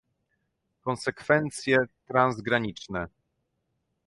konsekwencje transgraniczne